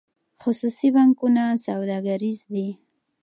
خصوصي بانکونه سوداګریز دي